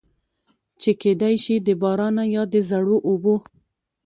چې کېدے شي د بارانۀ يا د زړو اوبو